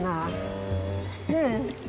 ねえ。